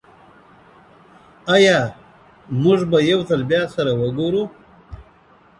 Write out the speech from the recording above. ایا موږ به یو ځل بیا سره وګورو؟